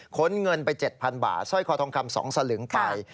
้นเงินไป๗๐๐บาทสร้อยคอทองคำ๒สลึงไป